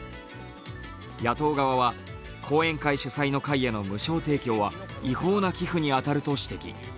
野党側は、後援会主催の会への無償提供は違法な寄付に当たると指摘。